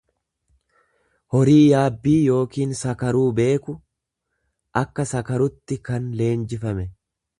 horii yaabbii kan sakaruu beeku, akka sakarutti kan leenjifame.